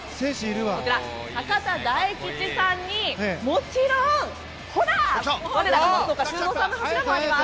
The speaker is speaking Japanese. こちら、博多大吉さんにもちろん我らが松岡修造さんの柱もあります。